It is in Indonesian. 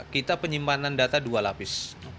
kita penyimpanan data dua lapis